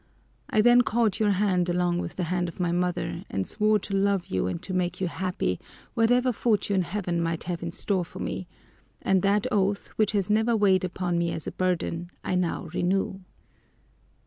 I then caught your hand along with the hand of my mother and swore to love you and to make you happy, whatever fortune Heaven might have in store for me; and that oath, which has never weighed upon me as a burden, I now renew!